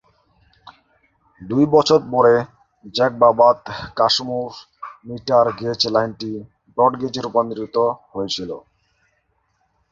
দুই বছর পরে, জ্যাকবাবাদ-কাশমোর মিটার-গেজ লাইনটি ব্রডগেজে রূপান্তরিত হয়েছিল।